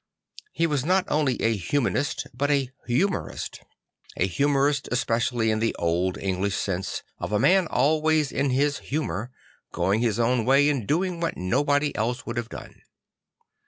He was not only a humanist but a humorist; a humorist especially in the old English sense of a man always in his humour, going his own way and doing what no bod y else would have done.